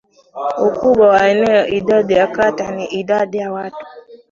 ukubwa wa eneo idadi ya kata na idadi ya watu